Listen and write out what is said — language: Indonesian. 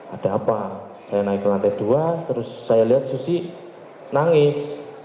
ada apa saya naik ke lantai dua terus saya lihat susi nangis